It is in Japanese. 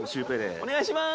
お願いします。